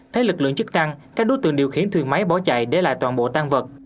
thấy lực lượng chức năng các đối tượng điều khiển thuyền máy bỏ chạy để lại toàn bộ tan vật